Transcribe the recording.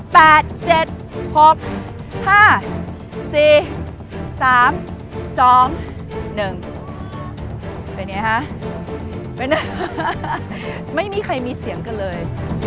เป็นไงคะไม่มีใครมีเสียงกันเลย